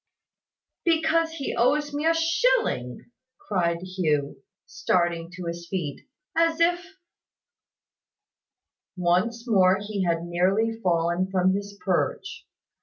"Because he owes me a shilling!" cried Hugh, starting to his feet, "as if " Once more he had nearly fallen from his perch.